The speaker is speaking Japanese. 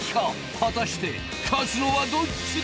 果たして勝つのはどっちだ？